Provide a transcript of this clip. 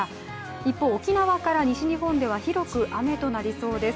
一方、沖縄から西日本では広く雨となりそうです。